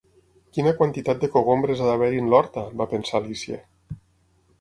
"Quina quantitat de cogombres ha d'haver-hi en l'horta!", va pensar Alicia.